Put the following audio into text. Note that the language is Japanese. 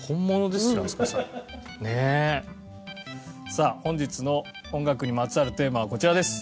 さあ本日の音楽にまつわるテーマはこちらです。